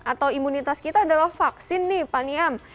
atau imunitas kita adalah vaksin nih pak niam